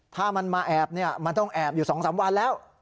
ถ้ามันมาแอบเนี่ยมันต้องแอบอยู่๒๓วันแล้ว